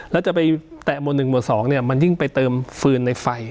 แล้วจะไปแตะโมนหนึ่งโมนสองเนี่ยมันยิ่งไปเติมฟืนในไฟ